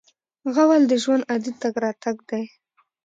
غول د ژوند عادي تګ راتګ دی.